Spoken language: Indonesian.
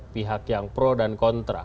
pihak yang pro dan kontra